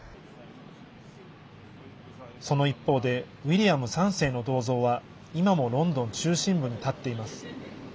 その一方でウィリアム３世の銅像は今も、ロンドン中心部に建っています。